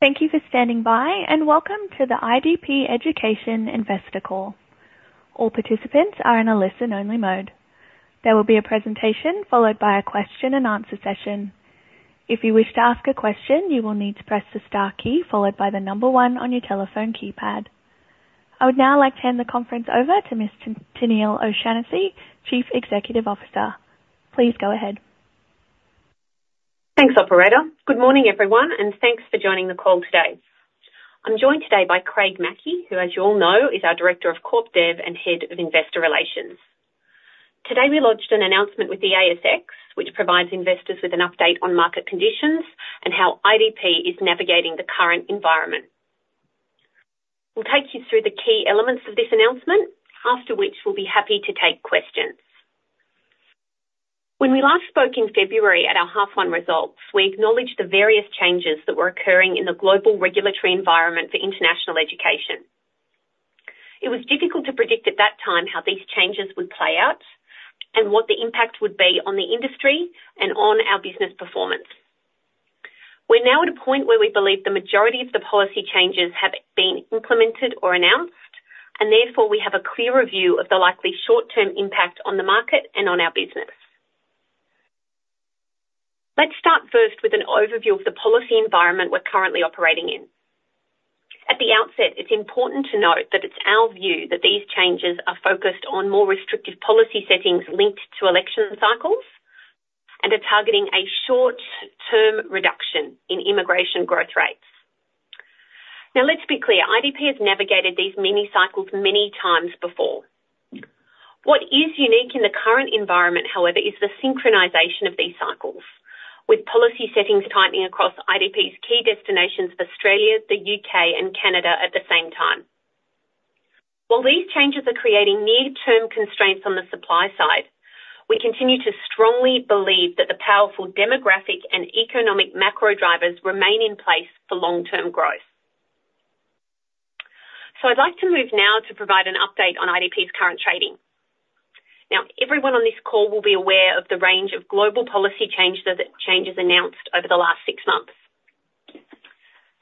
Thank you for standing by, and welcome to the IDP Education Investor Call. All participants are in a listen-only mode. There will be a presentation followed by a question-and-answer session. If you wish to ask a question, you will need to press the star key followed by the number one on your telephone keypad. I would now like to hand the conference over to Miss Tennealle O'Shannessy, Chief Executive Officer. Please go ahead. Thanks, operator. Good morning, everyone, and thanks for joining the call today. I'm joined today by Craig Mackey, who, as you all know, is our Director of Corp Dev and Head of Investor Relations. Today, we launched an announcement with the ASX, which provides investors with an update on market conditions and how IDP is navigating the current environment. We'll take you through the key elements of this announcement, after which we'll be happy to take questions. When we last spoke in February at our half one results, we acknowledged the various changes that were occurring in the global regulatory environment for international education. It was difficult to predict at that time how these changes would play out and what the impact would be on the industry and on our business performance. We're now at a point where we believe the majority of the policy changes have been implemented or announced, and therefore, we have a clearer view of the likely short-term impact on the market and on our business. Let's start first with an overview of the policy environment we're currently operating in. At the outset, it's important to note that it's our view that these changes are focused on more restrictive policy settings linked to election cycles, and are targeting a short-term reduction in immigration growth rates. Now, let's be clear, IDP has navigated these mini cycles many times before. What is unique in the current environment, however, is the synchronization of these cycles, with policy settings tightening across IDP's key destinations, Australia, the U.K., and Canada, at the same time. While these changes are creating near-term constraints on the supply side, we continue to strongly believe that the powerful demographic and economic macro drivers remain in place for long-term growth. So I'd like to move now to provide an update on IDP's current trading. Now, everyone on this call will be aware of the range of global policy changes, changes announced over the last six months.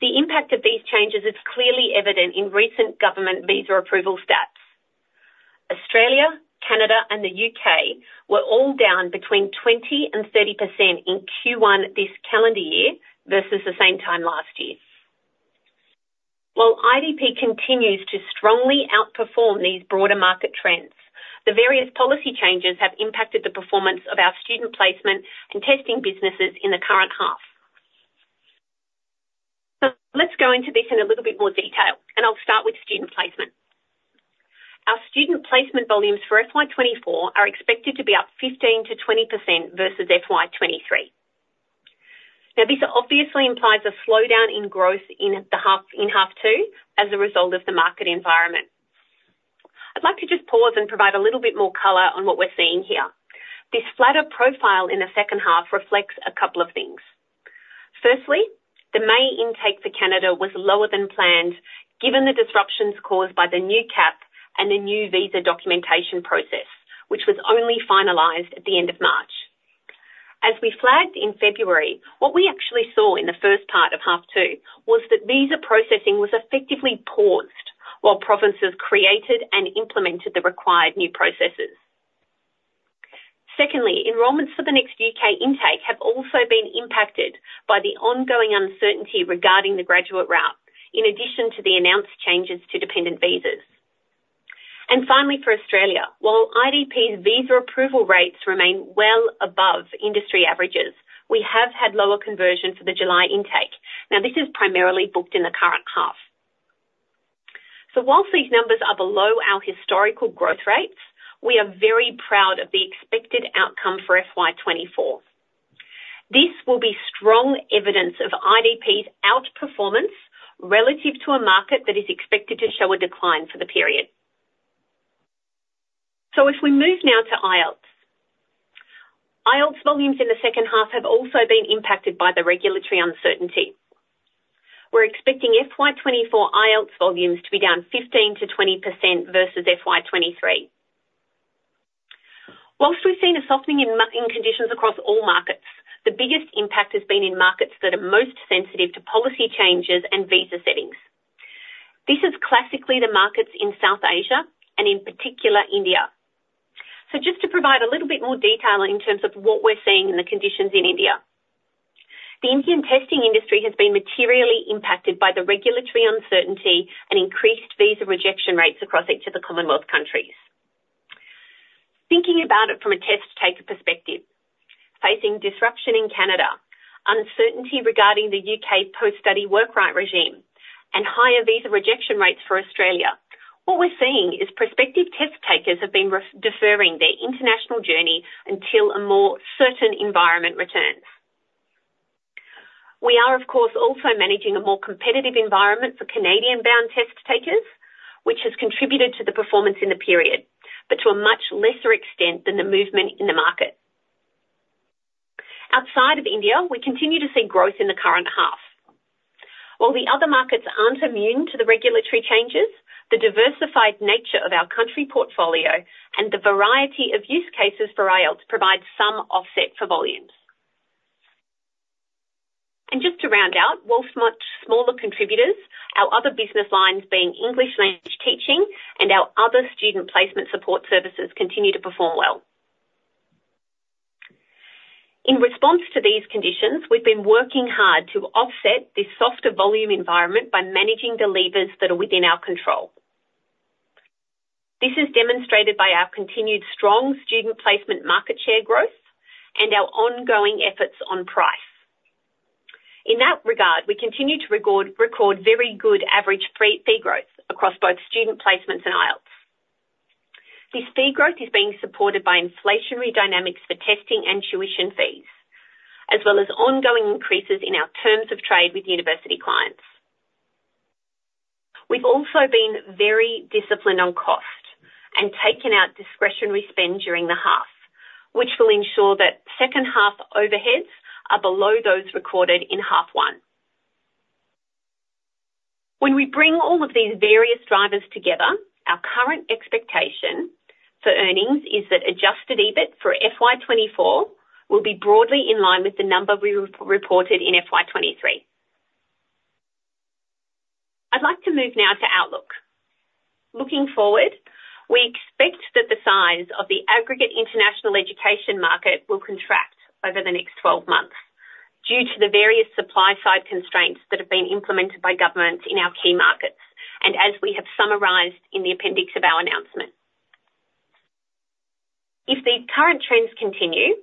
The impact of these changes is clearly evident in recent government visa approval stats. Australia, Canada, and the U.K. were all down between 20% and 30% in Q1 this calendar year, versus the same time last year. While IDP continues to strongly outperform these broader market trends, the various policy changes have impacted the performance of our student placement and testing businesses in the current half. So let's go into this in a little bit more detail, and I'll start with student placement. Our student placement volumes for FY 2024 are expected to be up 15%-20% versus FY 2023. Now, this obviously implies a slowdown in growth in the half, in half two as a result of the market environment. I'd like to just pause and provide a little bit more color on what we're seeing here. This flatter profile in the second half reflects a couple of things. Firstly, the May intake for Canada was lower than planned, given the disruptions caused by the new cap and the new visa documentation process, which was only finalized at the end of March. As we flagged in February, what we actually saw in the first part of half two was that visa processing was effectively paused while provinces created and implemented the required new processes. Secondly, enrollments for the next U.K. intake have also been impacted by the ongoing uncertainty regarding the Graduate route, in addition to the announced changes to dependent visas. And finally, for Australia, while IDP's visa approval rates remain well above industry averages, we have had lower conversion for the July intake. Now, this is primarily booked in the current half. So while these numbers are below our historical growth rates, we are very proud of the expected outcome for FY 2024. This will be strong evidence of IDP's outperformance relative to a market that is expected to show a decline for the period. So as we move now to IELTS. IELTS volumes in the second half have also been impacted by the regulatory uncertainty. We're expecting FY 2024 IELTS volumes to be down 15%-20% versus FY 2023. While we've seen a softening in conditions across all markets, the biggest impact has been in markets that are most sensitive to policy changes and visa settings. This is classically the markets in South Asia and in particular India. So just to provide a little bit more detail in terms of what we're seeing in the conditions in India. The Indian testing industry has been materially impacted by the regulatory uncertainty and increased visa rejection rates across each of the Commonwealth countries. Thinking about it from a test-taker perspective, facing disruption in Canada, uncertainty regarding the U.K.'s post-study work right regime, and higher visa rejection rates for Australia, what we're seeing is prospective test takers have been re-deferring their international journey until a more certain environment returns. We are, of course, also managing a more competitive environment for Canadian-bound test takers, which has contributed to the performance in the period, but to a much lesser extent than the movement in the market. Outside of India, we continue to see growth in the current half.... While the other markets aren't immune to the regulatory changes, the diversified nature of our country portfolio and the variety of use cases for IELTS provide some offset for volumes. Just to round out, while much smaller contributors, our other business lines being English language teaching and our other student placement support services continue to perform well. In response to these conditions, we've been working hard to offset this softer volume environment by managing the levers that are within our control. This is demonstrated by our continued strong student placement market share growth and our ongoing efforts on price. In that regard, we continue to record very good average fee growth across both student placements and IELTS. This fee growth is being supported by inflationary dynamics for testing and tuition fees, as well as ongoing increases in our terms of trade with university clients. We've also been very disciplined on cost and taken out discretionary spend during the half, which will ensure that second half overheads are below those recorded in half one. When we bring all of these various drivers together, our current expectation for earnings is that adjusted EBIT for FY 2024 will be broadly in line with the number we reported in FY 2023. I'd like to move now to outlook. Looking forward, we expect that the size of the aggregate international education market will contract over the next 12 months due to the various supply side constraints that have been implemented by governments in our key markets, and as we have summarized in the appendix of our announcement. If the current trends continue,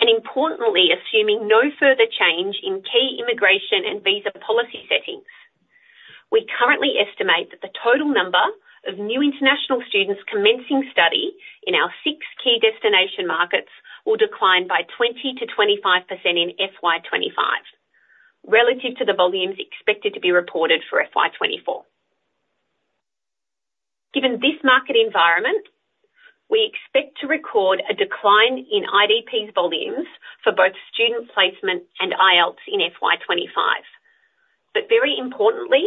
and importantly, assuming no further change in key immigration and visa policy settings, we currently estimate that the total number of new international students commencing study in our six key destination markets will decline by 20%-25% in FY 2025, relative to the volumes expected to be reported for FY 2024. Given this market environment, we expect to record a decline in IDP's volumes for both student placement and IELTS in FY 2025. But very importantly,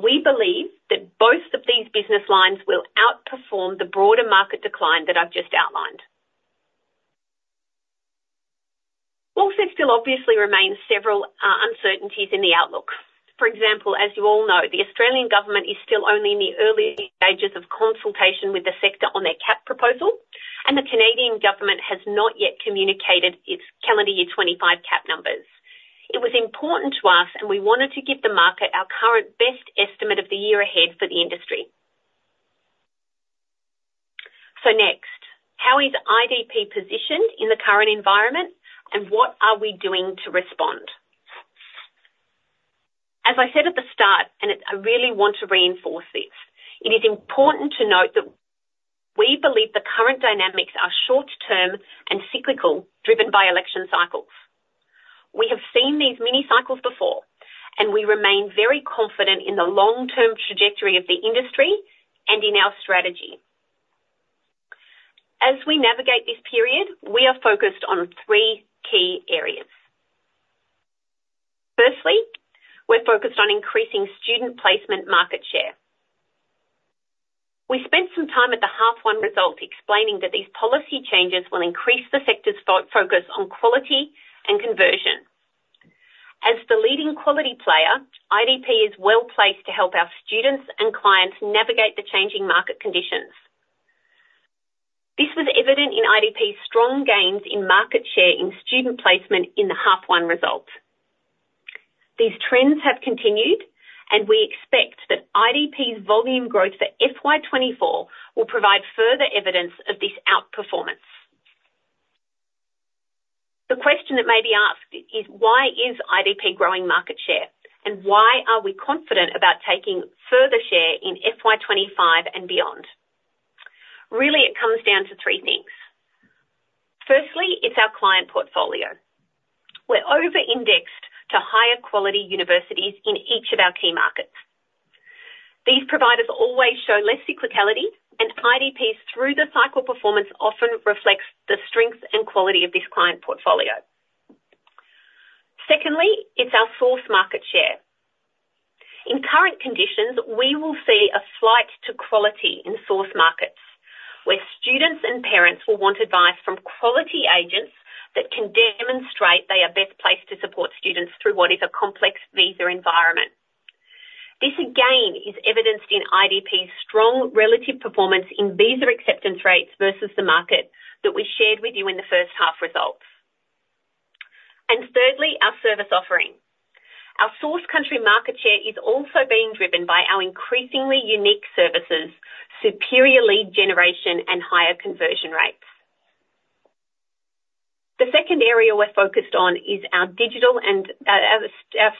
we believe that both of these business lines will outperform the broader market decline that I've just outlined. Also, still obviously remains several uncertainties in the outlook. For example, as you all know, the Australian government is still only in the early stages of consultation with the sector on their cap proposal, and the Canadian government has not yet communicated its calendar year 2025 cap numbers. It was important to us, and we wanted to give the market our current best estimate of the year ahead for the industry. So next, how is IDP positioned in the current environment, and what are we doing to respond? As I said at the start, and I really want to reinforce this, it is important to note that we believe the current dynamics are short-term and cyclical, driven by election cycles. We have seen these mini cycles before, and we remain very confident in the long-term trajectory of the industry and in our strategy. As we navigate this period, we are focused on three key areas. Firstly, we're focused on increasing student placement market share. We spent some time at the half one results, explaining that these policy changes will increase the sector's focus on quality and conversion. As the leading quality player, IDP is well-placed to help our students and clients navigate the changing market conditions. This was evident in IDP's strong gains in market share in student placement in the half one results. These trends have continued, and we expect that IDP's volume growth for FY 2024 will provide further evidence of this outperformance. The question that may be asked is: Why is IDP growing market share, and why are we confident about taking further share in FY 2025 and beyond? Really, it comes down to three things. Firstly, it's our client portfolio. We're over-indexed to higher quality universities in each of our key markets. These providers always show less cyclicality, and IDP's through the cycle performance often reflects the strengths and quality of this client portfolio. Secondly, it's our source market share. In current conditions, we will see a flight to quality in source markets, where students and parents will want advice from quality agents that can demonstrate they are best placed to support students through what is a complex visa environment. This, again, is evidenced in IDP's strong relative performance in visa acceptance rates versus the market, that we shared with you in the first half results. And thirdly, our service offering. Our source country market share is also being driven by our increasingly unique services, superior lead generation, and higher conversion rates. The second area we're focused on is our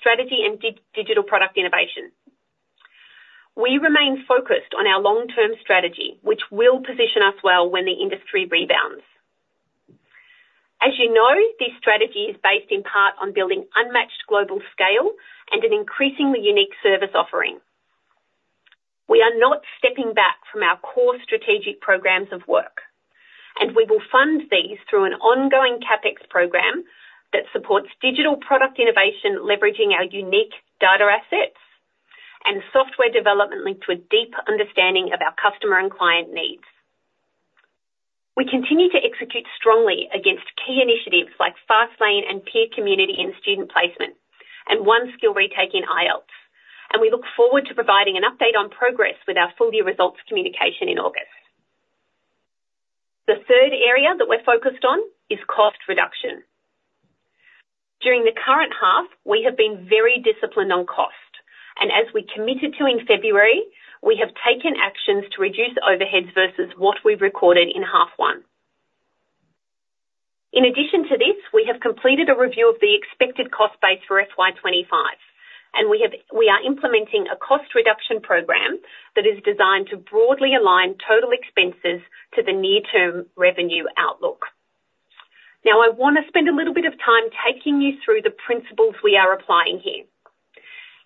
strategy and digital product innovation. We remain focused on our long-term strategy, which will position us well when the industry rebounds. As you know, this strategy is based in part on building unmatched global scale and an increasingly unique service offering. We are not stepping back from our core strategic programs of work, and we will fund these through an ongoing CapEx program that supports digital product innovation, leveraging our unique data assets and software development linked to a deeper understanding of our customer and client needs. We continue to execute strongly against key initiatives like FastLane and Peer Community in student placement, and One Skill Retake in IELTS, and we look forward to providing an update on progress with our full year results communication in August. The third area that we're focused on is cost reduction. During the current half, we have been very disciplined on cost, and as we committed to in February, we have taken actions to reduce overheads versus what we've recorded in half one. In addition to this, we have completed a review of the expected cost base for FY 2025, and we are implementing a cost reduction program that is designed to broadly align total expenses to the near-term revenue outlook. Now, I want to spend a little bit of time taking you through the principles we are applying here.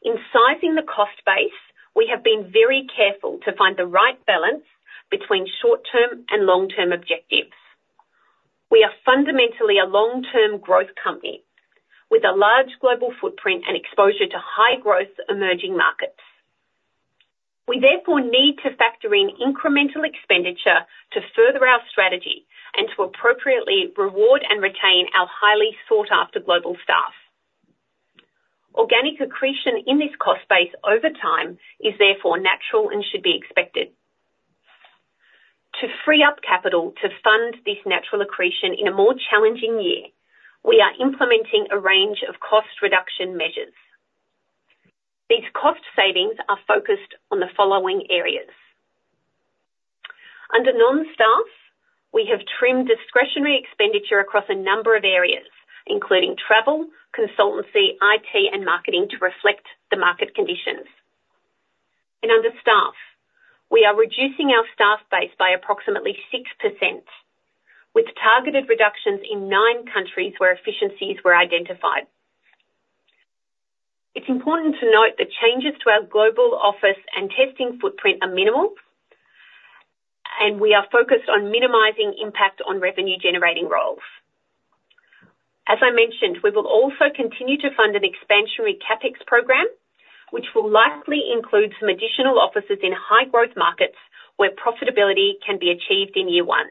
In sizing the cost base, we have been very careful to find the right balance between short-term and long-term objectives. We are fundamentally a long-term growth company with a large global footprint and exposure to high growth emerging markets. We therefore need to factor in incremental expenditure to further our strategy and to appropriately reward and retain our highly sought-after global staff. Organic accretion in this cost base over time is therefore natural and should be expected. To free up capital to fund this natural accretion in a more challenging year, we are implementing a range of cost reduction measures. These cost savings are focused on the following areas. Under non-staff, we have trimmed discretionary expenditure across a number of areas, including travel, consultancy, IT, and marketing to reflect the market conditions. Under staff, we are reducing our staff base by approximately 6%, with targeted reductions in nine countries where efficiencies were identified. It's important to note that changes to our global office and testing footprint are minimal, and we are focused on minimizing impact on revenue generating roles. As I mentioned, we will also continue to fund an expansionary CapEx program, which will likely include some additional offices in high growth markets where profitability can be achieved in year one.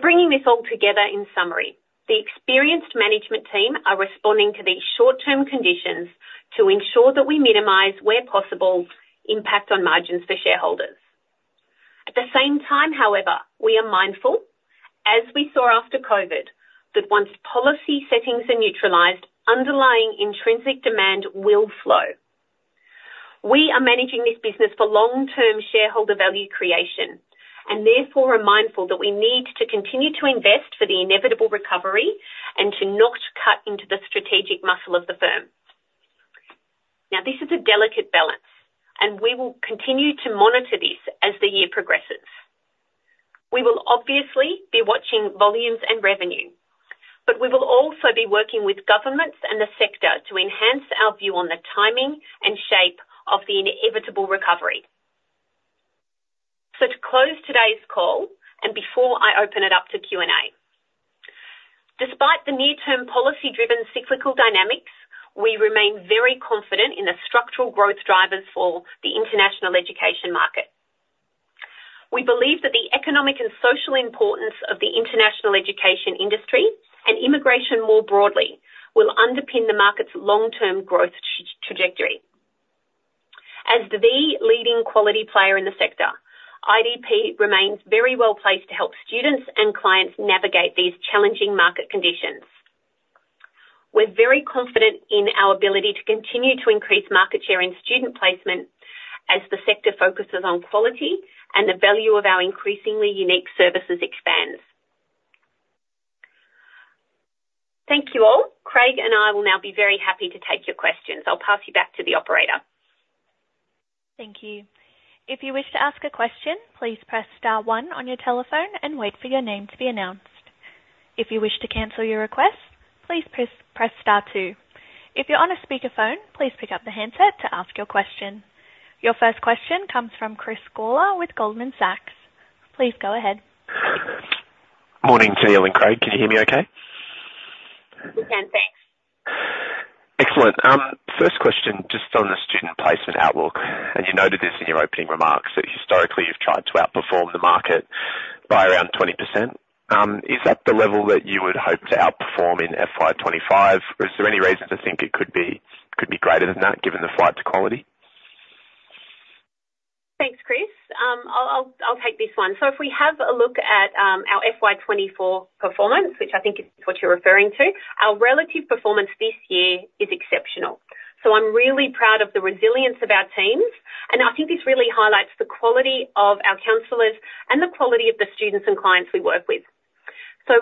Bringing this all together in summary, the experienced management team are responding to these short-term conditions to ensure that we minimize, where possible, impact on margins for shareholders. At the same time, however, we are mindful, as we saw after COVID, that once policy settings are neutralized, underlying intrinsic demand will flow. We are managing this business for long-term shareholder value creation, and therefore are mindful that we need to continue to invest for the inevitable recovery and to not cut into the strategic muscle of the firm. Now, this is a delicate balance, and we will continue to monitor this as the year progresses. We will obviously be watching volumes and revenue, but we will also be working with governments and the sector to enhance our view on the timing and shape of the inevitable recovery. So to close today's call, and before I open it up to Q&A, despite the near-term policy-driven cyclical dynamics, we remain very confident in the structural growth drivers for the international education market. We believe that the economic and social importance of the international education industry and immigration more broadly will underpin the market's long-term growth trajectory. As the leading quality player in the sector, IDP remains very well-placed to help students and clients navigate these challenging market conditions. We're very confident in our ability to continue to increase market share in student placement as the sector focuses on quality and the value of our increasingly unique services expands. Thank you, all. Craig and I will now be very happy to take your questions. I'll pass you back to the operator. Thank you. If you wish to ask a question, please press star one on your telephone and wait for your name to be announced. If you wish to cancel your request, please press star two. If you're on a speakerphone, please pick up the handset to ask your question. Your first question comes from Chris Gawler with Goldman Sachs. Please go ahead. Morning, Tennealle and Craig, can you hear me okay? We can. Thanks. Excellent. First question, just on the student placement outlook, and you noted this in your opening remarks, that historically you've tried to outperform the market by around 20%. Is that the level that you would hope to outperform in FY 2025 or is there any reason to think it could be, could be greater than that, given the flight to quality? Thanks, Chris. I'll take this one. So if we have a look at our FY 2024 performance, which I think is what you're referring to, our relative performance this year is exceptional. So I'm really proud of the resilience of our teams, and I think this really highlights the quality of our counselors and the quality of the students and clients we work with. So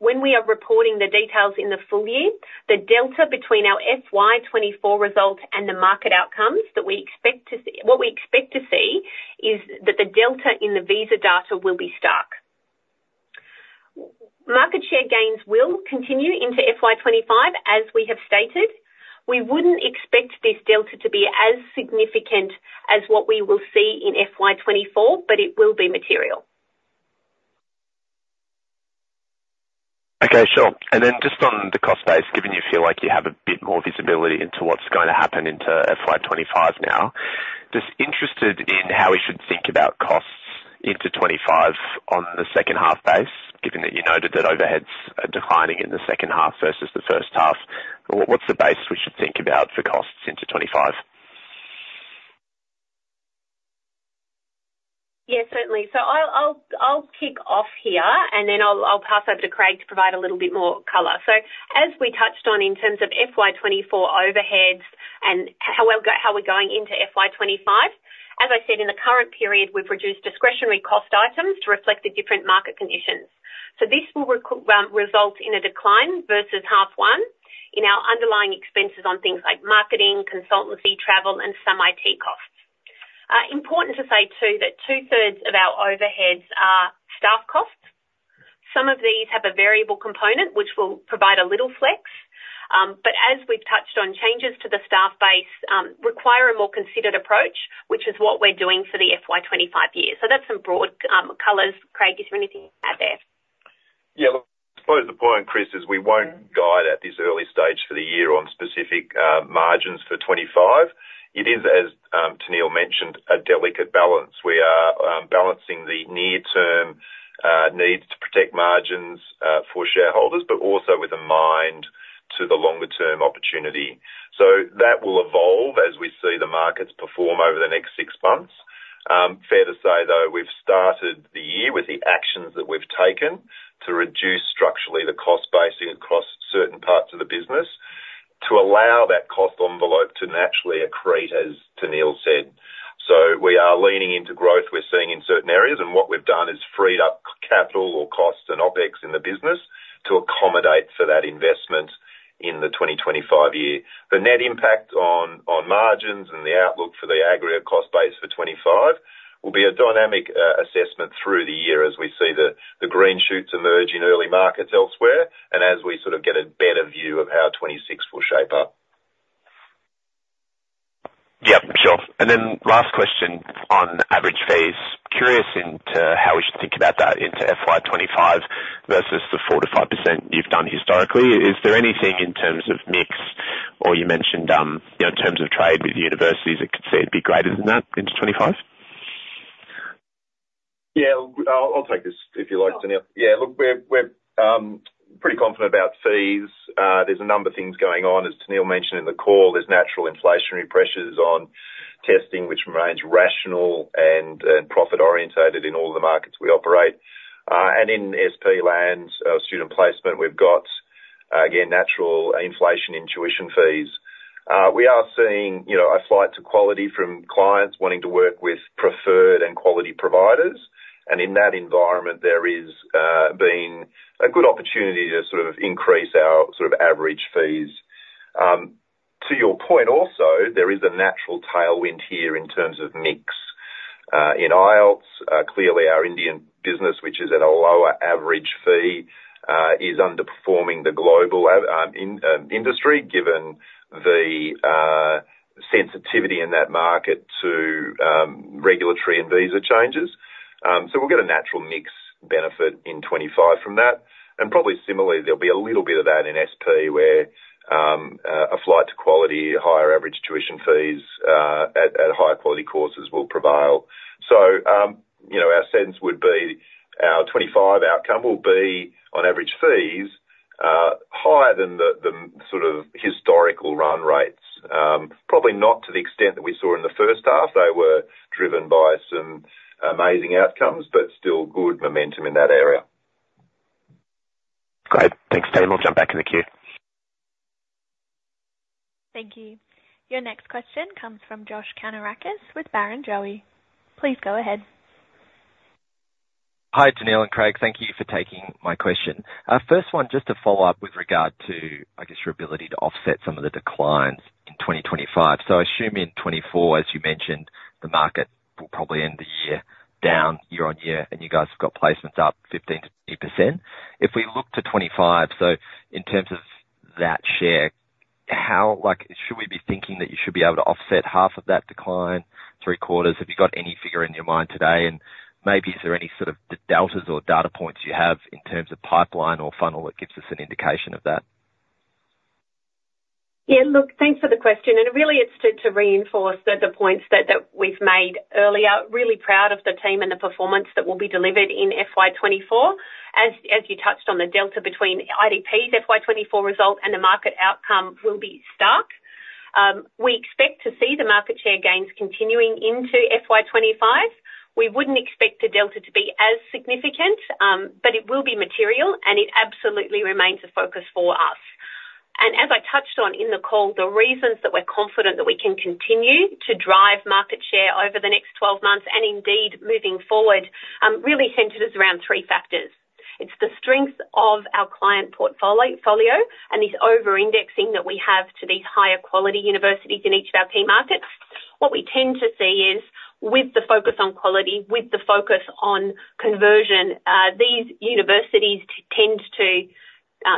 when we are reporting the details in the full year, the delta between our FY 2024 results and the market outcomes that we expect to see, what we expect to see is that the delta in the visa data will be stark. Market share gains will continue into FY 2025, as we have stated. We wouldn't expect this delta to be as significant as what we will see in FY 2024, but it will be material. Okay, sure. Then just on the cost base, given you feel like you have a bit more visibility into what's going to happen into FY 2025 now, just interested in how we should think about costs into 2025 on the second half base, given that you noted that overheads are declining in the second half versus the first half. What's the base we should think about for costs into 2025? Yeah, certainly. So I'll kick off here and then I'll pass over to Craig to provide a little bit more color. So as we touched on in terms of FY 2024 overheads and how we're going into FY 2025, as I said, in the current period, we've reduced discretionary cost items to reflect the different market conditions. So this will result in a decline versus half one in our underlying expenses on things like marketing, consultancy, travel, and some IT costs. Important to say too, that 2/3 of our overheads are staff costs. Some of these have a variable component, which will provide a little flex. But as we've touched on, changes to the staff base require a more considered approach, which is what we're doing for the FY 2025 year. So that's some broad colors. Craig, is there anything to add there? Yeah, look, I suppose the point, Chris, is we won't guide at this early stage for the year on specific margins for 2025. It is, as Tennealle mentioned, a delicate balance. We are balancing the near-term needs to protect margins for shareholders, but also with a mind to the longer term opportunity. So that will evolve as we see the markets perform over the next six months. Fair to say though, we've started the year with the actions that we've taken to reduce structurally the cost base across certain parts of the business, to allow that cost envelope to naturally accrete, as Tennealle said. So we are leaning into growth we're seeing in certain areas, and what we've done is freed up capital or costs and OpEx in the business to accommodate for that investment in the 2025 year. The net impact on margins and the outlook for the aggregate cost base for 2025 will be a dynamic assessment through the year as we see the green shoots emerge in early markets elsewhere, and as we sort of get a better view of how 2026 will shape up. Yeah, sure. And then last question on average fees. Curious into how we should think about that into FY 2025 versus the 4%-5% you've done historically. Is there anything in terms of mix or you mentioned, you know, in terms of trade with universities, it could soon be greater than that into 2025? Yeah, I'll take this, if you like, Tennealle. Yeah, look, we're pretty confident about fees. There's a number of things going on. As Tennealle mentioned in the call, there's natural inflationary pressures on testing, which remains rational and profit-orientated in all the markets we operate. And in SP lands, student placement, we've got, again, natural inflation in tuition fees. We are seeing, you know, a flight to quality from clients wanting to work with preferred and quality providers, and in that environment, there has been a good opportunity to sort of increase our sort of average fees. To your point also, there is a natural tailwind here in terms of mix. In IELTS, clearly our Indian business, which is at a lower average fee, is underperforming the global average in industry, given the sensitivity in that market to regulatory and visa changes. So we'll get a natural mix benefit in 2025 from that. And probably similarly, there'll be a little bit of that in SP, where a flight to quality, higher average tuition fees at higher quality courses will prevail. So, you know, our sense would be our 2025 outcome will be on average fees higher than the sort of historical run rates. Probably not to the extent that we saw in the first half. They were driven by some amazing outcomes, but still good momentum in that area. Great. Thanks, Tennealle. I'll jump back in the queue. Thank you. Your next question comes from Josh Kannourakis with Barrenjoey. Please go ahead. Hi, Tennealle and Craig. Thank you for taking my question. First one, just to follow up with regard to, I guess, your ability to offset some of the declines in 2025. So I assume in 2024, as you mentioned, the market will probably end the year down year-on-year, and you guys have got placements up 15%-80%. If we look to 2025, so in terms of that share, how, like, should we be thinking that you should be able to offset half of that decline, 3/4? Have you got any figure in your mind today? And maybe is there any sort of deltas or data points you have in terms of pipeline or funnel that gives us an indication of that? Yeah, look, thanks for the question, and really it's to reinforce the points that we've made earlier. Really proud of the team and the performance that will be delivered in FY 2024. As you touched on, the delta between IDP's FY 2024 result and the market outcome will be stark. We expect to see the market share gains continuing into FY 2025. We wouldn't expect the delta to be as significant, but it will be material, and it absolutely remains a focus for us. As I touched on in the call, the reasons that we're confident that we can continue to drive market share over the next 12 months, and indeed moving forward, really centers around three factors: It's the strength of our client portfolio, and this over-indexing that we have to these higher quality universities in each of our key markets... What we tend to see is, with the focus on quality, with the focus on conversion, these universities tend to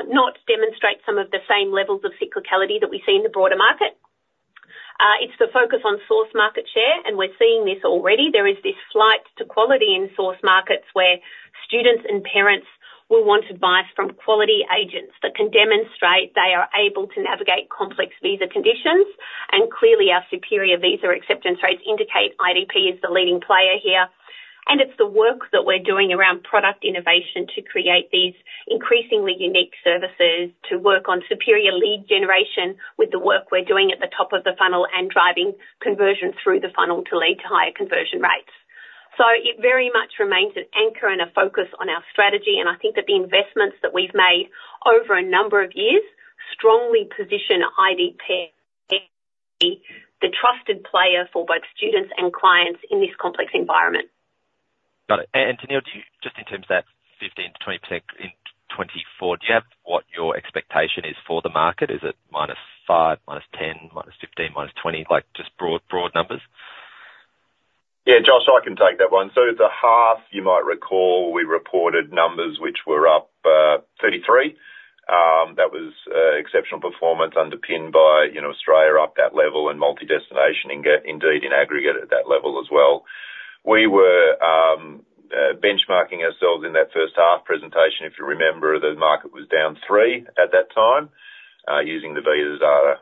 not demonstrate some of the same levels of cyclicality that we see in the broader market. It's the focus on source market share, and we're seeing this already. There is this flight to quality in source markets, where students and parents will want advice from quality agents that can demonstrate they are able to navigate complex visa conditions. Clearly, our superior visa acceptance rates indicate IDP is the leading player here. It's the work that we're doing around product innovation to create these increasingly unique services, to work on superior lead generation with the work we're doing at the top of the funnel, and driving conversion through the funnel to lead to higher conversion rates. It very much remains an anchor and a focus on our strategy, and I think that the investments that we've made over a number of years strongly position IDP, the trusted player for both students and clients in this complex environment. Got it. And Tennealle, do you, just in terms of that 15%-20% in 2024, do you have what your expectation is for the market? Is it -5%, -10%, -15%, -20%, like, just broad, broad numbers? Yeah, Josh, I can take that one. So at the half, you might recall, we reported numbers which were up 33. That was exceptional performance underpinned by, you know, Australia up that level, and multi-destination, indeed, in aggregate at that level as well. We were benchmarking ourselves in that first half presentation. If you remember, the market was down 3% at that time, using the visas data.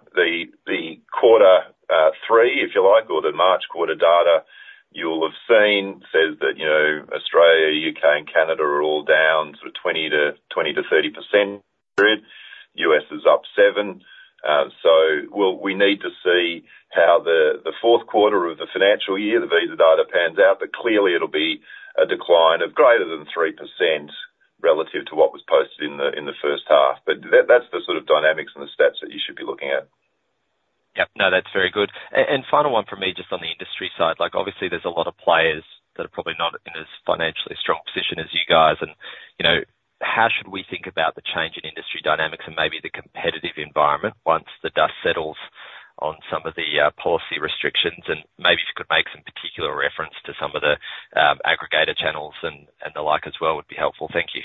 The quarter three, if you like, or the March quarter data, you'll have seen, says that, you know, Australia, U.K., and Canada are all down sort of 20%-30% period. U.S. is up 7%. Well, we need to see how the fourth quarter of the financial year, the visa data pans out, but clearly it'll be a decline of greater than 3% relative to what was posted in the first half. But that, that's the sort of dynamics and the stats that you should be looking at. Yep. No, that's very good. And final one from me, just on the industry side, like, obviously there's a lot of players that are probably not in as financially strong position as you guys and, you know, how should we think about the change in industry dynamics and maybe the competitive environment once the dust settles on some of the policy restrictions? And maybe if you could make some particular reference to some of the aggregator channels and the like as well, would be helpful. Thank you.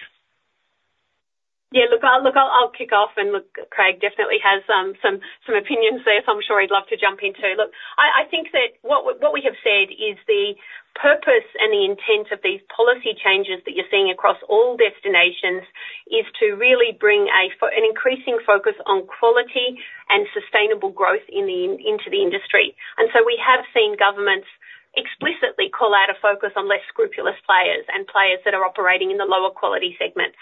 Yeah, look, I'll kick off, and look, Craig definitely has some opinions there, so I'm sure he'd love to jump in, too. Look, I think that what we have said is the purpose and the intent of these policy changes that you're seeing across all destinations, is to really bring an increasing focus on quality and sustainable growth into the industry. So we have seen governments explicitly call out a focus on less scrupulous players, and players that are operating in the lower quality segments.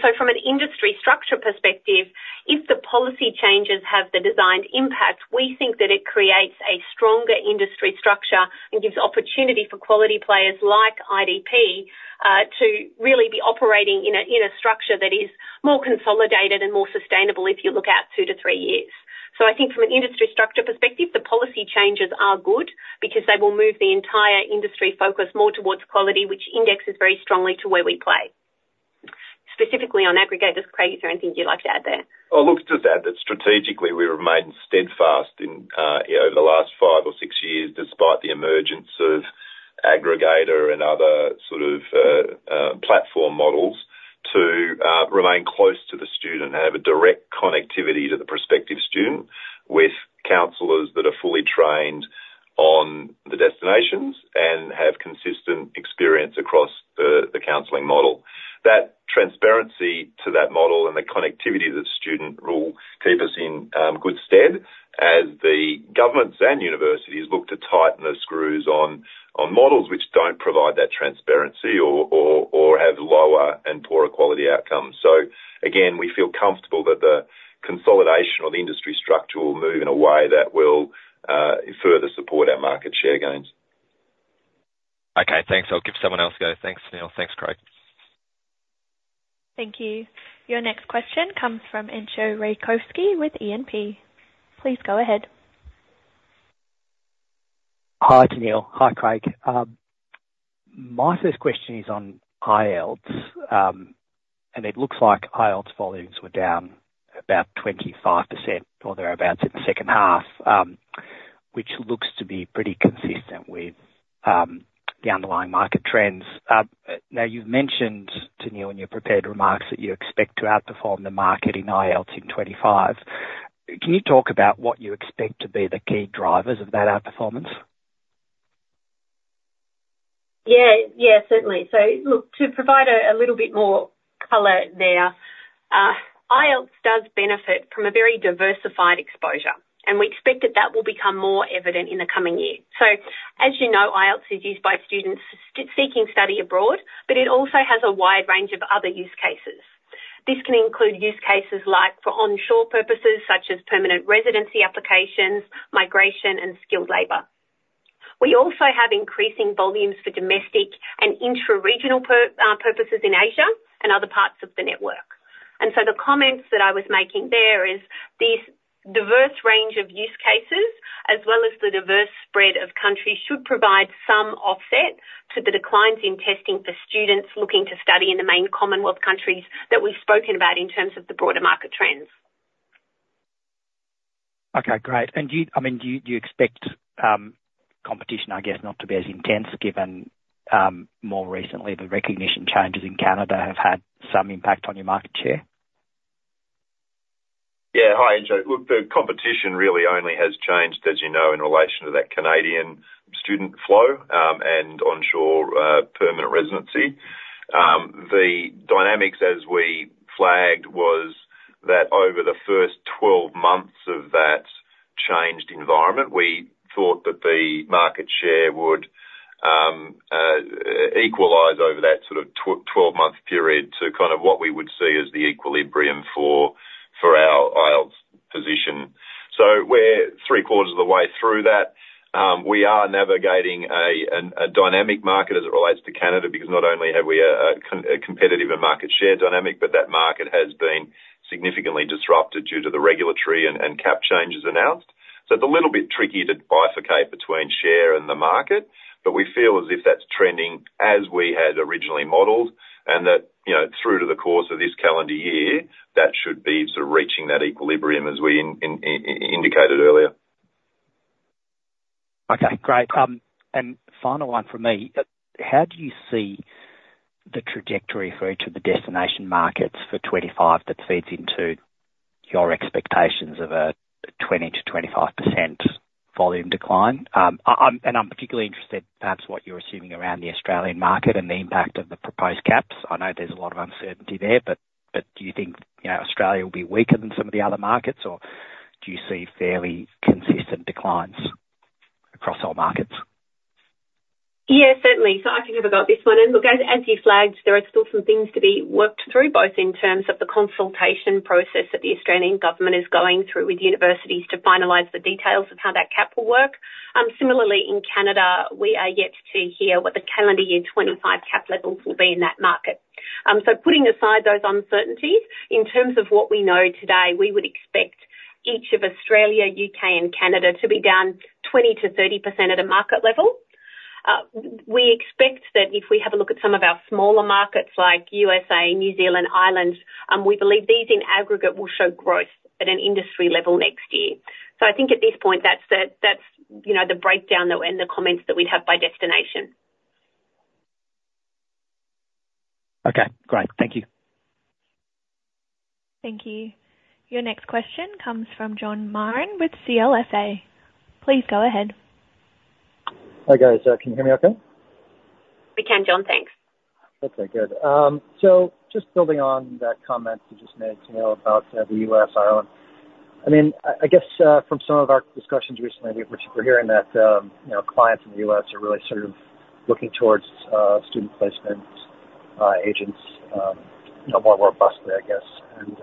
So from an industry structure perspective, if the policy changes have the designed impacts, we think that it creates a stronger industry structure and gives opportunity for quality players like IDP to really be operating in a structure that is more consolidated and more sustainable, if you look out two to three years. So I think from an industry structure perspective, the policy changes are good, because they will move the entire industry focus more towards quality, which indexes very strongly to where we play. Specifically on aggregate, just Craig, is there anything you'd like to add there? Well, look, just add that strategically we remain steadfast in, you know, over the last five or six years, despite the emergence of aggregator and other sort of, platform models, to remain close to the student and have a direct connectivity to the prospective student, with counselors that are fully trained on the destinations and have consistent experience across the counseling model. That transparency to that model and the connectivity of the student will keep us in good stead, as the governments and universities look to tighten the screws on models which don't provide that transparency or have lower and poorer quality outcomes. So again, we feel comfortable that the consolidation or the industry structure will move in a way that will further support our market share gains. Okay, thanks. I'll give someone else a go. Thanks, Tennealle. Thanks, Craig. Thank you. Your next question comes from Entcho Raykovski with E&P. Please go ahead. Hi, Tennealle. Hi, Craig. My first question is on IELTS. It looks like IELTS volumes were down about 25% or thereabouts in the second half, which looks to be pretty consistent with the underlying market trends. Now, you've mentioned, Tennealle, in your prepared remarks, that you expect to outperform the market in IELTS in 2025. Can you talk about what you expect to be the key drivers of that outperformance? Yeah. Yeah, certainly. So look, to provide a little bit more color there, IELTS does benefit from a very diversified exposure, and we expect that that will become more evident in the coming year. So, as you know, IELTS is used by students seeking study abroad, but it also has a wide range of other use cases. This can include use cases like for onshore purposes, such as permanent residency applications, migration, and skilled labor. We also have increasing volumes for domestic and intra-regional purposes in Asia and other parts of the network. The comments that I was making there is, this diverse range of use cases, as well as the diverse spread of countries, should provide some offset to the declines in testing for students looking to study in the main Commonwealth countries, that we've spoken about in terms of the broader market trends.... Okay, great. And do you, I mean, do you, do you expect, competition, I guess, not to be as intense, given, more recently, the recognition changes in Canada have had some impact on your market share? Yeah. Hi, Entcho. Look, the competition really only has changed, as you know, in relation to that Canadian student flow, and onshore, permanent residency. The dynamics as we flagged was that over the first 12 months of that changed environment, we thought that the market share would equalize over that sort of 12-month period to kind of what we would see as the equilibrium for our IELTS position. So we're 3/4 of the way through that. We are navigating a dynamic market as it relates to Canada, because not only have we a competitive and market share dynamic, but that market has been significantly disrupted due to the regulatory and cap changes announced. So it's a little bit tricky to bifurcate between share and the market, but we feel as if that's trending as we had originally modeled, and that, you know, through to the course of this calendar year, that should be sort of reaching that equilibrium as we indicated earlier. Okay, great. And final one from me. How do you see the trajectory for each of the destination markets for 2025, that feeds into your expectations of a 20%-25% volume decline? And I'm particularly interested, perhaps, what you're assuming around the Australian market and the impact of the proposed caps. I know there's a lot of uncertainty there, but do you think, you know, Australia will be weaker than some of the other markets, or do you see fairly consistent declines across all markets? Yeah, certainly. So I can have a go at this one. And look, as you flagged, there are still some things to be worked through, both in terms of the consultation process that the Australian government is going through with universities to finalize the details of how that cap will work. Similarly, in Canada, we are yet to hear what the calendar year 2025 cap levels will be in that market. So putting aside those uncertainties, in terms of what we know today, we would expect each of Australia, U.K., and Canada, to be down 20%-30% at a market level. We expect that if we have a look at some of our smaller markets like U.S.A., New Zealand, Ireland, we believe these in aggregate, will show growth at an industry level next year. I think at this point, that's the, you know, the breakdown that, and the comments that we'd have by destination. Okay, great. Thank you. Thank you. Your next question comes from John Marrin with CLSA. Please go ahead. Hi, guys. Can you hear me okay? We can, John, thanks. Okay, good. So just building on that comment you just made, Tennealle, about the U.S., Ireland. I mean, I guess from some of our discussions recently, we're hearing that you know, clients in the U.S. are really sort of looking towards student placements agents you know, more robustly, I guess. And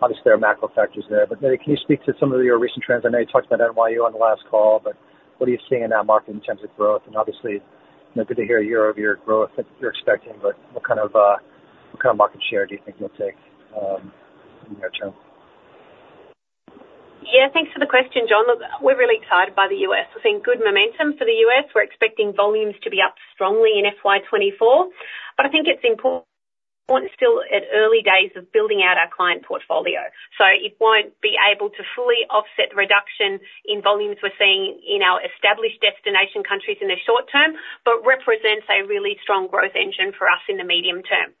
obviously there are macro factors there, but then can you speak to some of your recent trends? I know you talked about NYU on the last call, but what are you seeing in that market in terms of growth? And obviously, you know, good to hear year-over-year growth that you're expecting, but what kind of what kind of market share do you think you'll take in the near-term? Yeah, thanks for the question, John. Look, we're really excited by the U.S. We're seeing good momentum for the U.S. We're expecting volumes to be up strongly in FY 2024, but I think it's important still at early days of building out our client portfolio. So it won't be able to fully offset the reduction in volumes we're seeing in our established destination countries in the short-term, but represents a really strong growth engine for us in the medium-term.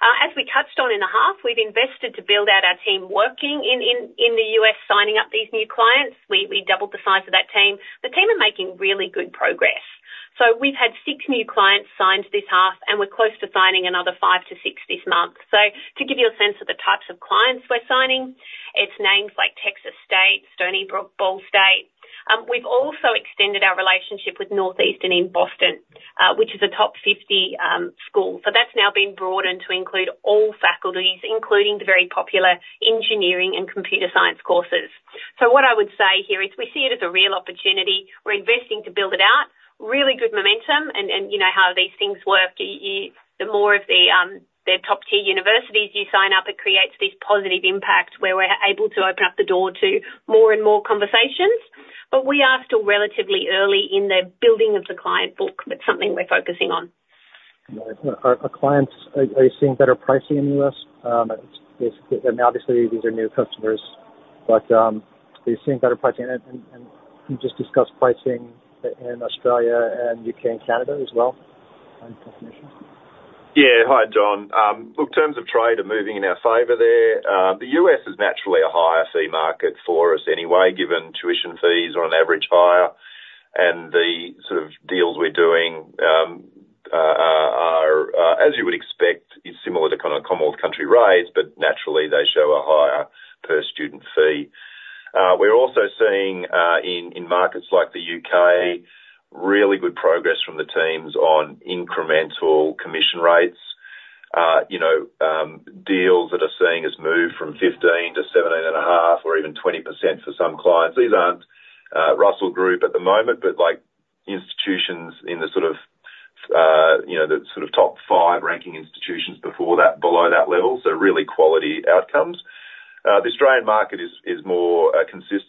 As we touched on in the half, we've invested to build out our team working in the U.S., signing up these new clients. We doubled the size of that team. The team are making really good progress. So we've had six new clients signed this half, and we're close to signing another five to six this month. So to give you a sense of the types of clients we're signing, it's names like Texas State, Stony Brook, Ball State. We've also extended our relationship with Northeastern in Boston, which is a top 50 school. So that's now been broadened to include all faculties, including the very popular engineering and computer science courses. So what I would say here is we see it as a real opportunity. We're investing to build it out, really good momentum, and you know how these things work, the more of the top-tier universities you sign up, it creates these positive impacts where we're able to open up the door to more and more conversations, but we are still relatively early in the building of the client book. That's something we're focusing on. Our clients, are you seeing better pricing in the U.S.? Obviously these are new customers, but are you seeing better pricing? And you just discussed pricing in Australia and U.K. and Canada as well, on commission. Yeah. Hi, John. Look, terms of trade are moving in our favor there. The U.S. is naturally a higher fee market for us anyway, given tuition fees are on average higher, and the sort of deals we're doing, are, as you would expect, is similar to kind of Commonwealth country rates, but naturally they show a higher per student fee. We're also seeing, in markets like the U.K., really good progress from the teams on incremental commission rates. You know, deals that are seeing us move from 15 to 17.5, or even 20% for some clients. These aren't, Russell Group at the moment, but like institutions in the sort of, you know, the sort of top five ranking institutions before that, below that level, so really quality outcomes. The Australian market is more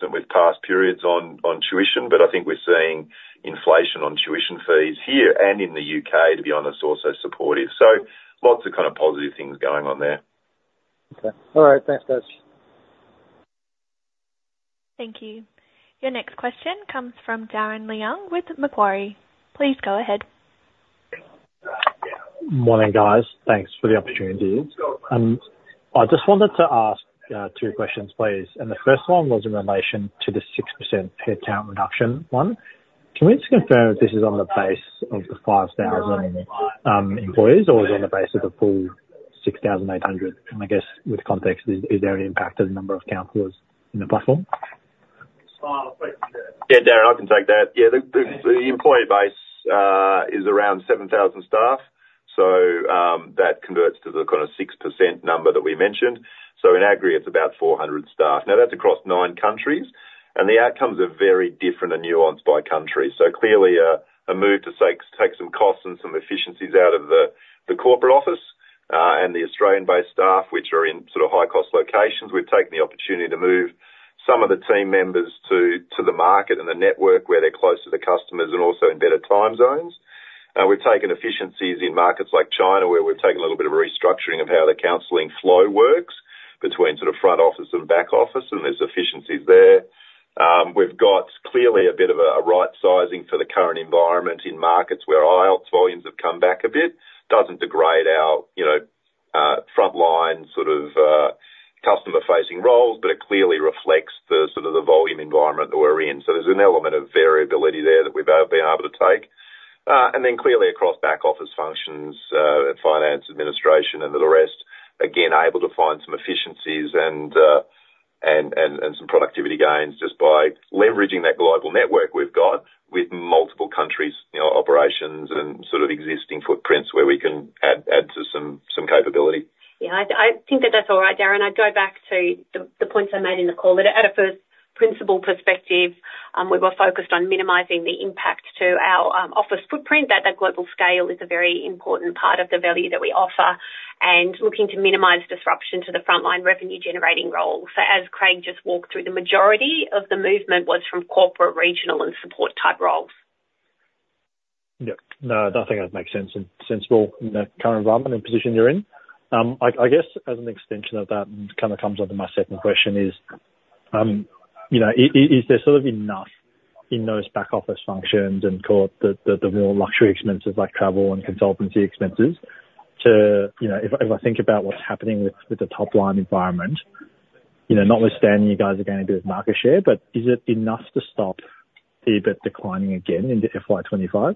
with past periods on tuition, but I think we're seeing inflation on tuition fees here and in the U.K., to be honest, also supportive. So lots of kind of positive things going on there. Okay. All right, thanks guys. Thank you. Your next question comes from Darren Leung with Macquarie. Please go ahead. Morning, guys. Thanks for the opportunity. I just wanted to ask two questions, please, and the first one was in relation to the 6% headcount reduction one. Can we just confirm if this is on the base of the 5,000 employees, or is it on the base of the full 6,800? And I guess with context, is there any impact on the number of counselors in the platform? Yeah, Darren, I can take that. Yeah, the employee base is around 7,000 staff. So, that converts to the kind of 6% number that we mentioned. So in aggregate, it's about 400 staff. Now, that's across nine countries, and the outcomes are very different and nuanced by country. So clearly, a move to save, take some costs and some efficiencies out of the corporate office and the Australian-based staff, which are in sort of high-cost locations. We've taken the opportunity to move some of the team members to the market and the network where they're close to the customers and also in better time zones. We've taken efficiencies in markets like China, where we've taken a little bit of restructuring of how the counseling flow works between sort of front office and back office, and there's efficiencies there. We've got clearly a bit of a right sizing for the current environment in markets where IELTS volumes have come back a bit. Doesn't degrade our, you know, frontline sort of customer-facing roles, but it clearly reflects the sort of the volume environment that we're in. So there's an element of variability there that we've been able to take. And then clearly across back office functions, and finance, administration, and the rest, again able to find some efficiencies and some productivity gains just by leveraging that global network we've got with multiple countries, you know, operations and sort of existing footprints where we can add to some capability. Yeah, I think that that's all right, Darren. I'd go back to the points I made in the call. At a first principle perspective, we were focused on minimizing the impact to our office footprint at a global scale is a very important part of the value that we offer, and looking to minimize disruption to the frontline revenue generating role. So as Craig just walked through, the majority of the movement was from corporate, regional, and support type roles. Yeah. No, I think that makes sense and sensible in the current environment and position you're in. I guess as an extension of that, and kind of comes onto my second question is, you know, is there sort of enough in those back office functions and like the more luxury expenses like travel and consultancy expenses to... You know, if I think about what's happening with the top line environment, you know, notwithstanding, you guys are gaining a bit of market share, but is it enough to stop EBIT declining again in the FY 2025?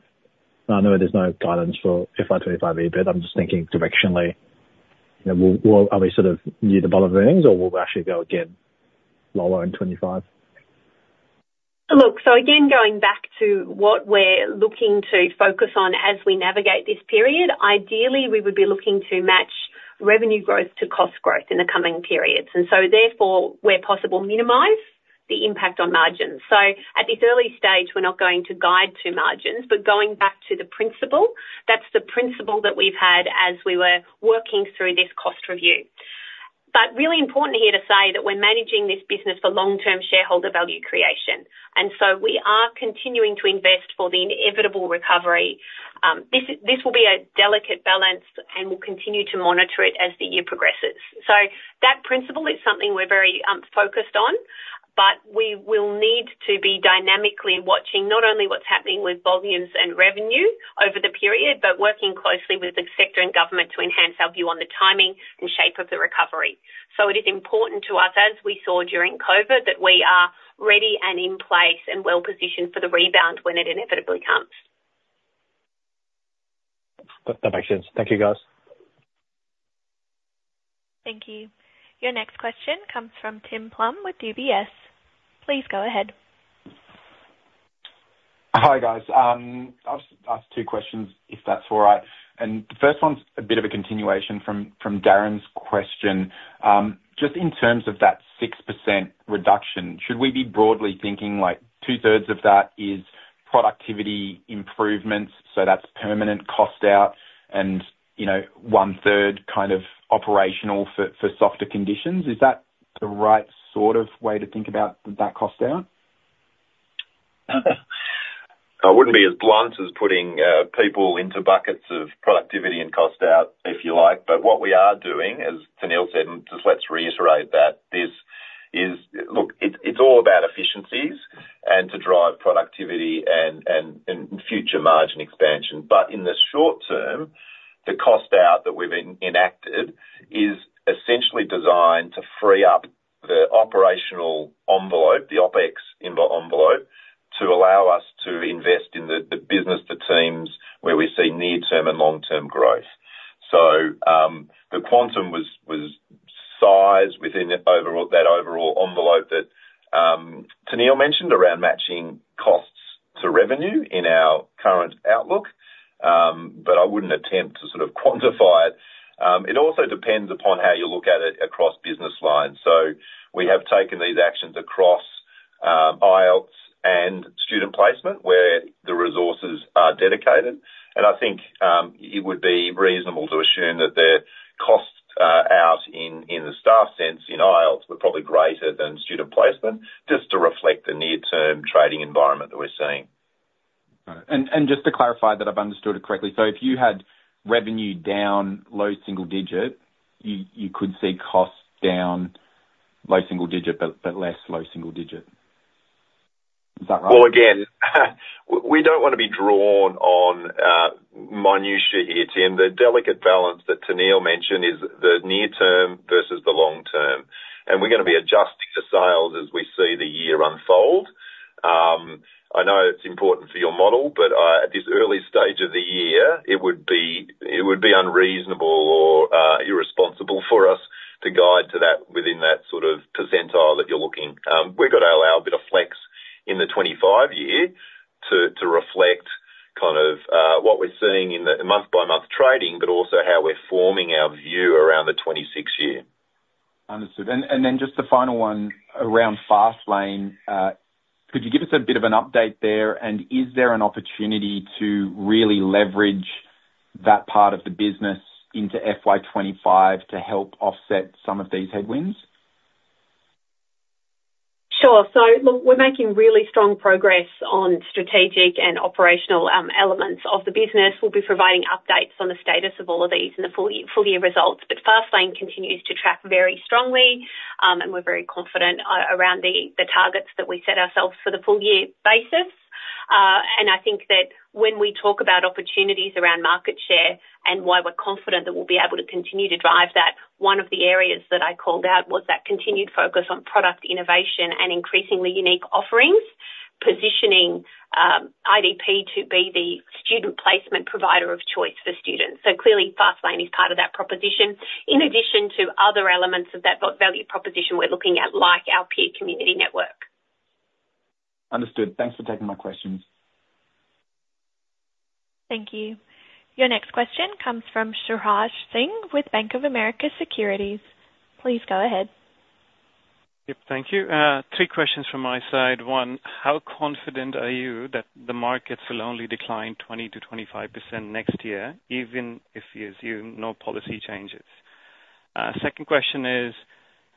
I know there's no guidance for FY 25 EBIT. I'm just thinking directionally, you know, are we sort of near the bottom earnings or will we actually go again lower in 2025? Look, so again, going back to what we're looking to focus on as we navigate this period, ideally, we would be looking to match revenue growth to cost growth in the coming periods, and so therefore, where possible, minimize the impact on margins. So at this early stage, we're not going to guide to margins, but going back to the principle, that's the principle that we've had as we were working through this cost review. But really important here to say that we're managing this business for long-term shareholder value creation, and so we are continuing to invest for the inevitable recovery. This is, this will be a delicate balance, and we'll continue to monitor it as the year progresses. So that principle is something we're very focused on, but we will need to be dynamically watching not only what's happening with volumes and revenue over the period, but working closely with the sector and government to enhance our view on the timing and shape of the recovery. So it is important to us, as we saw during COVID, that we are ready and in place and well-positioned for the rebound when it inevitably comes. That, that makes sense. Thank you, guys. Thank you. Your next question comes from Tim Plumbe with UBS. Please go ahead. Hi, guys. I'll just ask two questions, if that's all right. The first one's a bit of a continuation from Darren's question. Just in terms of that 6% reduction, should we be broadly thinking like 2/3 of that is productivity improvements, so that's permanent cost out and, you know, 1/3 kind of operational for softer conditions? Is that the right sort of way to think about that cost out? I wouldn't be as blunt as putting people into buckets of productivity and cost out, if you like, but what we are doing, as Tennealle said, and just let's reiterate that this is... Look, it's all about efficiencies and to drive productivity and future margin expansion. But in the short-term, the cost out that we've enacted is essentially designed to free up the operational envelope, the OpEx envelope, to allow us to invest in the business, the teams, where we see near-term and long-term growth. So, the quantum was sized within the overall, that overall envelope that Tennealle mentioned around matching costs to revenue in our current outlook, but I wouldn't attempt to sort of quantify it. It also depends upon how you look at it across business lines. We have taken these actions across IELTS and student placement, where the results are dedicated. I think it would be reasonable to assume that the costs out in the staff sense in IELTS were probably greater than student placement, just to reflect the near-term trading environment that we're seeing. Right. And just to clarify that I've understood it correctly: so if you had revenue down low single-digit, you could see costs down low single-digit, but less low single-digit. Is that right? Well, again, we don't wanna be drawn on minutiae here, Tim. The delicate balance that Tennealle mentioned is the near-term versus the long-term, and we're gonna be adjusting for sales as we see the year unfold. I know it's important for your model, but at this early stage of the year, it would be unreasonable or irresponsible for us to guide to that, within that sort of percentile that you're looking. We've got to allow a bit of flex in the 2025 year to reflect kind of what we're seeing in the month-by-month trading, but also how we're forming our view around the 2026 year. Understood. And, and then just the final one around FastLane. Could you give us a bit of an update there, and is there an opportunity to really leverage that part of the business into FY 2025 to help offset some of these headwinds? Sure. So look, we're making really strong progress on strategic and operational elements of the business. We'll be providing updates on the status of all of these in the full year results. But FastLane continues to track very strongly, and we're very confident around the targets that we set ourselves for the full year basis. And I think that when we talk about opportunities around market share and why we're confident that we'll be able to continue to drive that, one of the areas that I called out was that continued focus on product innovation and increasingly unique offerings, positioning IDP to be the student placement provider of choice for students. So clearly, FastLane is part of that proposition, in addition to other elements of that value proposition we're looking at, like our Peer Community network. Understood. Thanks for taking my questions. Thank you. Your next question comes from Suraj Singh with Bank of America Securities. Please go ahead. Yep, thank you. Three questions from my side. One, how confident are you that the markets will only decline 20%-25% next year, even if you assume no policy changes? Second question is,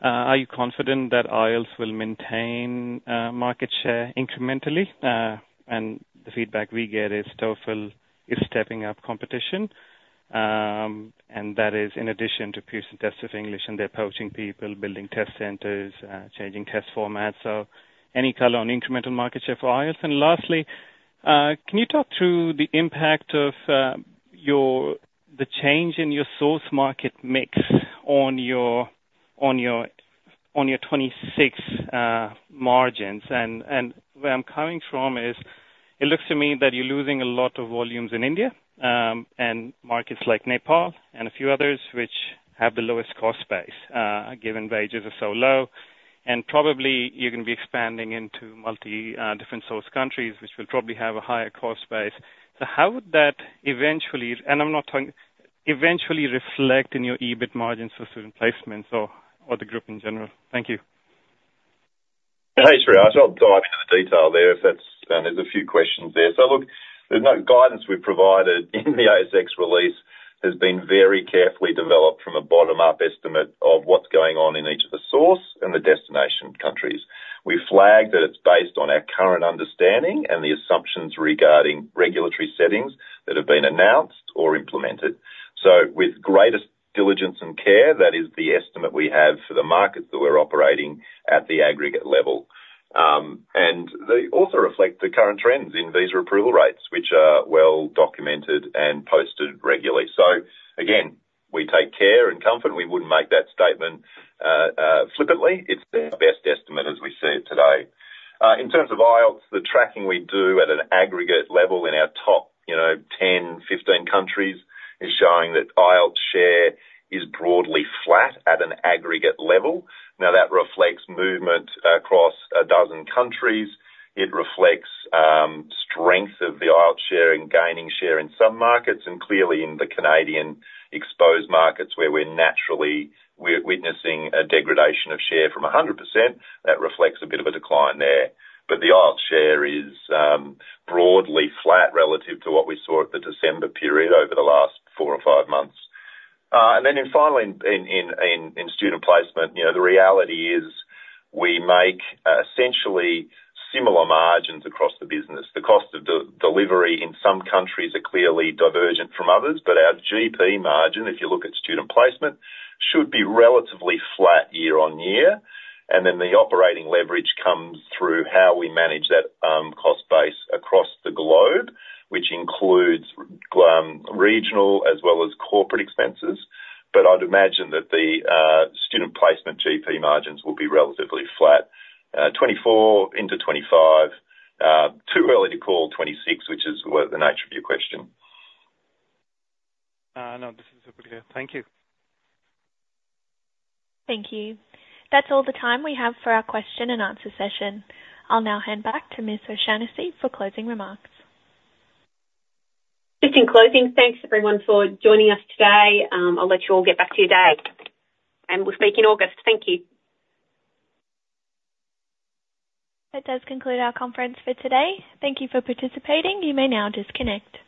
are you confident that IELTS will maintain market share incrementally? And the feedback we get is TOEFL is stepping up competition, and that is in addition to Pearson Test of English, and they're approaching people, building test centers, changing test formats. So any color on incremental market share for IELTS? And lastly, can you talk through the impact of the change in your source market mix on your 2026 margins? Where I'm coming from is, it looks to me that you're losing a lot of volumes in India, and markets like Nepal and a few others, which have the lowest cost base, given wages are so low, and probably you're gonna be expanding into multiple different source countries, which will probably have a higher cost base. So how would that eventually, and I'm not talking, eventually reflect in your EBIT margins for student placements or, or the group in general? Thank you. Hey, Suraj. I'll dive into the detail there if that's. There's a few questions there. So look, the guidance we've provided in the ASX release has been very carefully developed from a bottom-up estimate of what's going on in each of the source and the destination countries. We flagged that it's based on our current understanding and the assumptions regarding regulatory settings that have been announced or implemented. So with greatest diligence and care, that is the estimate we have for the markets that we're operating at the aggregate level. And they also reflect the current trends in visa approval rates, which are well-documented and posted regularly. So again, we take care and comfort, and we wouldn't make that statement flippantly. It's our best estimate as we see it today. In terms of IELTS, the tracking we do at an aggregate level in our top, you know, 10, 15 countries is showing that IELTS share is broadly flat at an aggregate level. Now, that reflects movement across a dozen countries. It reflects strength of the IELTS share in gaining share in some markets, and clearly in the Canadian exposed markets, where we're naturally witnessing a degradation of share from 100%. That reflects a bit of a decline there. But the IELTS share is broadly flat relative to what we saw at the December period over the last four or five months. And then finally in student placement, you know, the reality is we make essentially similar margins across the business. The cost of delivery in some countries are clearly divergent from others, but our GP margin, if you look at student placement, should be relatively flat year on year. And then the operating leverage comes through how we manage that, cost base across the globe, which includes, regional as well as corporate expenses. But I'd imagine that the, student placement GP margins will be relatively flat, 2024 into 2025. Too early to call 2026, which is the nature of your question. No, this is clear. Thank you. Thank you. That's all the time we have for our question-and-answer session. I'll now hand back to Ms. O'Shannessy for closing remarks. Just in closing, thanks, everyone, for joining us today. I'll let you all get back to your day, and we'll speak in August. Thank you. That does conclude our conference for today. Thank you for participating. You may now disconnect.